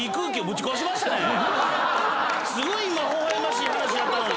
すごい微笑ましい話やったのに。